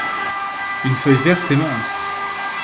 une feuille verte et mince.